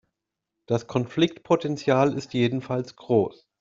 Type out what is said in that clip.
Das Konfliktpotenzial ist jedenfalls groß.